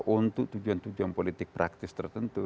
untuk tujuan tujuan politik praktis tertentu